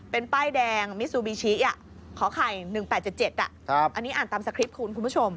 เป็นป้ายแดงมิซูบิชิขอไข่๑๘๗๗อันนี้อ่านตามสคริปต์คุณคุณผู้ชม